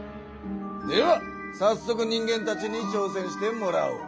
ではさっそく人間たちにちょうせんしてもらおう。